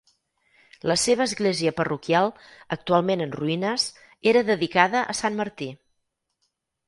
La seva església parroquial, actualment en ruïnes, era dedicada a sant Martí.